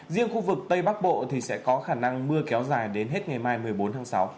riêng khu vực tây bắc bộ thì sẽ có khả năng mưa kéo dài đến hết ngày mai một mươi bốn tháng sáu